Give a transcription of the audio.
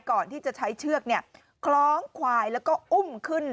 ก่อนที่จะใช้เชือกคล้องควายแล้วก็อุ้มขึ้น